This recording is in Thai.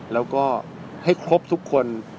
แล้วก็ให้ครบทุกคน